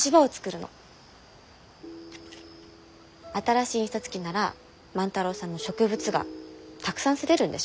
新しい印刷機なら万太郎さんの植物画たくさん刷れるんでしょ？